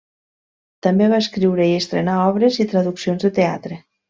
També va escriure i estrenar obres i traduccions de teatre.